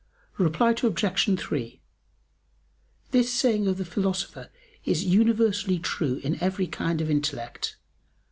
Reply Obj. 3: This saying of the Philosopher is universally true in every kind of intellect.